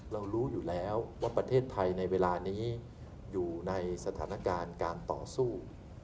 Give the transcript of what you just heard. รู้อยู่แล้วว่าประเทศไทยในเวลานี้อยู่ในสถานการณ์การต่อสู้